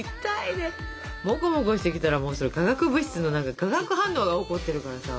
モコモコしてきたらもうそれ化学物質の何か化学反応が起こってるからさ。